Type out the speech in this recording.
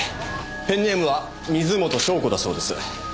ペンネームは水元湘子だそうです。